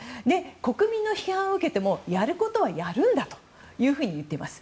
国民の批判を受けてもやることはやるんだと言っています。